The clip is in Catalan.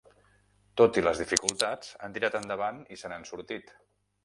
Tot i les dificultats han tirat endavant i se n'han sortit.